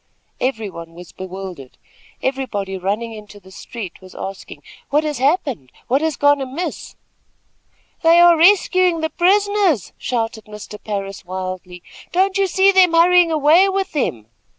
Everybody was bewildered. Everybody running into the street was asking: "What has happened? What has gone amiss?" "They are rescuing the prisoners," shouted Mr. Parris, wildly. "Don't you see them hurrying away with them."